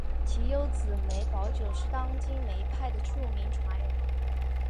其幼子梅葆玖是当今梅派的著名传人。